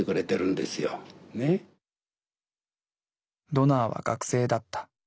ドナーは学生だった。